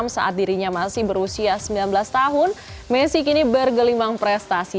saat dirinya masih berusia sembilan belas tahun messi kini bergelimbang prestasi